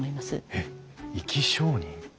えっ生き証人？